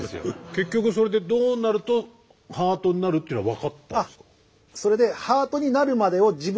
結局それでどうなるとハートになるっていうのは分かったんですか？